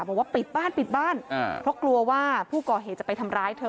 บอกว่าปิดบ้านปิดบ้านเพราะกลัวว่าผู้ก่อเหตุจะไปทำร้ายเธอ